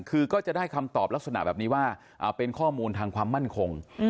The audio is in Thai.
คือก็จะได้คำตอบลักษณะแบบนี้ว่าเป็นข้อมูลทางความมั่นคง